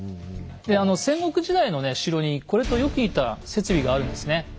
であの戦国時代の城にこれとよく似た設備があるんですね。